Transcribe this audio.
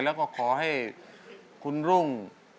แล้วก็ขอให้คุณรุ่ง